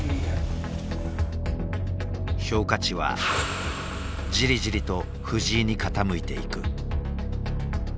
評価値はじりじりと藤井に傾いていく。